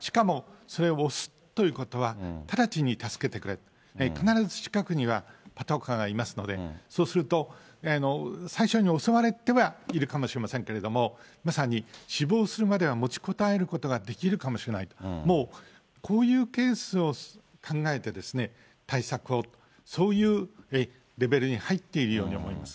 しかもそれを押すということは、直ちに助けてくれ、必ず近くにはパトカーがいますので、そうすると、最初に襲われてはいるかもしれませんけれども、まさに死亡するまでは持ちこたえることができるかもしれないと、もうこういうケースを考えてですね、対策を、そういうレベルに入っているように思います。